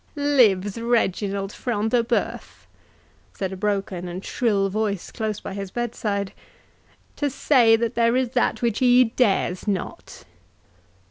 "Lives Reginald Front de Bœuf," said a broken and shrill voice close by his bedside, "to say there is that which he dares not!"